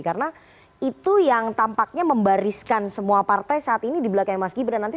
karena itu yang tampaknya membariskan semua partai saat ini dibelakang mas gibran nanti